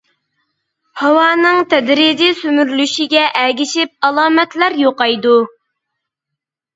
ھاۋانىڭ تەدرىجىي سۈمۈرۈلۈشىگە ئەگىشىپ ئالامەتلەر يوقايدۇ.